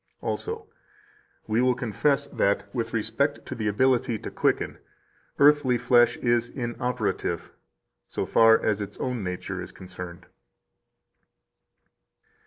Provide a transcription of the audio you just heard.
Also: "We will confess that, with respect to the ability to quicken, earthly flesh is inoperative, so far as its own nature is concerned."